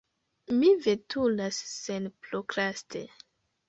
Mi veturas senprokraste.